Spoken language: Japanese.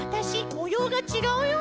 もようがちがうよ」